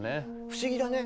不思議だね。